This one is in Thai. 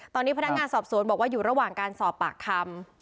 ตอนนี้พนักงานสอบสวนบอกว่าอยู่ระหว่างการสอบปากคำ